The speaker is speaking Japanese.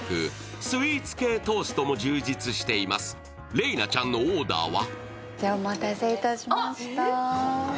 麗菜ちゃんのオーダーは？